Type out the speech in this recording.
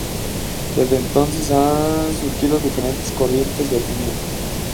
Desde entonces han surgido diferentes corrientes de opinión.